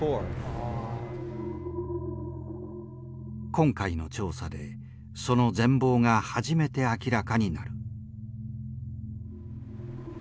今回の調査でその全貌が初めて明らかになる。